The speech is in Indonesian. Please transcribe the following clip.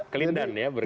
kelindan ya berarti